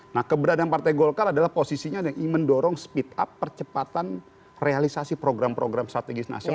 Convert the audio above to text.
nah keberadaan partai golkar adalah posisinya yang ingin mendorong speed up percepatan realisasi program program strategis nasional